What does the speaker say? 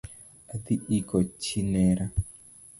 Adhi iko chi near